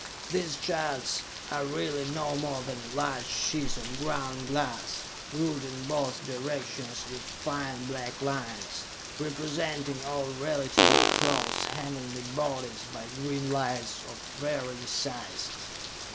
These charts are really no more than large sheets of ground glass, ruled in both directions with fine black lines, representing all relatively close heavenly bodies by green lights of varying sizes.